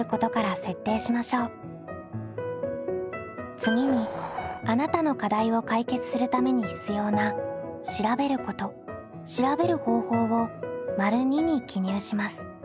次にあなたの課題を解決するために必要な「調べること」「調べる方法」を②に記入します。